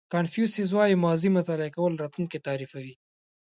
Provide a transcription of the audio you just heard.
کانفیوسیس وایي ماضي مطالعه کول راتلونکی تعریفوي.